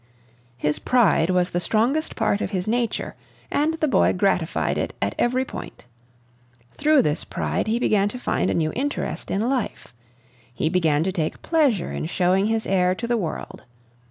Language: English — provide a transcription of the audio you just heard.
His pride was the strongest part of his nature, and the boy gratified it at every point. Through this pride he began to find a new interest in life. He began to take pleasure in showing his heir to the world.